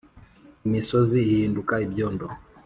imisozi ihinduka ibyondo.